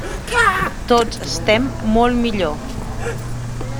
Tots estem molt millor.